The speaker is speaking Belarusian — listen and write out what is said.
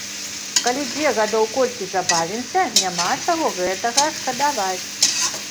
Калі дзе гадоў колькі забавімся, няма чаго гэтага шкадаваць.